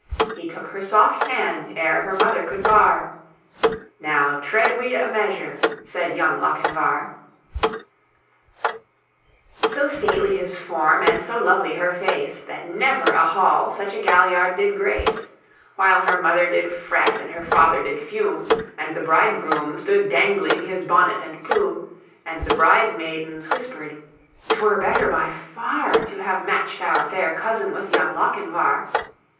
He took her soft hand ere her mother could bar, "Now tread we a measure!" said young Lochinvar. So stately his form, and so lovely her face, That never a hall such a galliard did grace; While her mother did fret, and her father did fume, And the bridegroom stood dangling his bonnet and plume, And the bridemaidens whispered, "'Twere better by far To have matched our fair cousin with young Lochinvar."